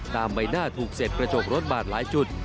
ใบหน้าถูกเสร็จกระจกรถบาดหลายจุด